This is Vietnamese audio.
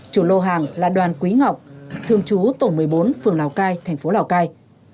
chủ lô hàng là đoàn quý ngọc thường chú tổ một mươi bốn phường lào cai thành phố lào cai